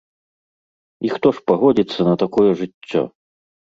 І хто ж пагодзіцца на такое жыццё?